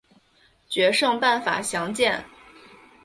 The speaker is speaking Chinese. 决胜办法详见。